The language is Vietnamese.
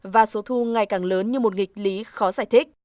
và số thu ngày càng lớn như một nghịch lý khó giải thích